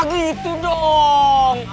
nah gitu dong